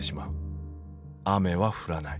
雨は降らない。